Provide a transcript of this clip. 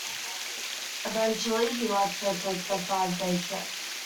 Eventually, he lets her take the five-day trip.